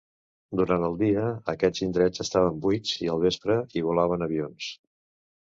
Durant el dia, aquests indrets estaven buits, i al vespre hi volaven avions.